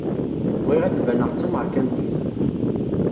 Bɣiɣ ad d-baneɣ d tameṛkantit.